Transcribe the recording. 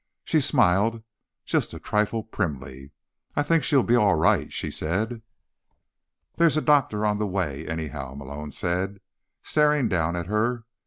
She smiled, just a trifle primly. "I think she'll be all right," she said. "There's a doctor on the way, anyhow," Malone said, staring down at her.